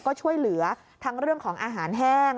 ก็ช่วยเหลือทั้งเรื่องของอาหารแห้ง